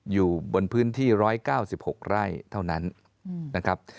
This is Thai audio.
อยู่บนพื้นที่๑๙๖ไร่เท่านั้นนะครับ